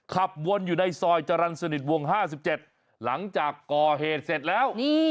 ขับวนอยู่ในซอยจรรย์สนิทวง๕๗หลังจากก่อเหตุเสร็จแล้ว